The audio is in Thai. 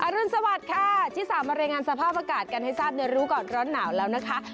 รุนสวัสดิ์ค่ะที่สามมารายงานสภาพอากาศกันให้ทราบในรู้ก่อนร้อนหนาวแล้วนะคะ